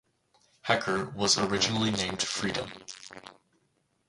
Hecker was originally named Freedom.